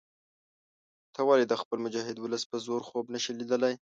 ته ولې د خپل مجاهد ولس په زور خوب نه شې لیدلای.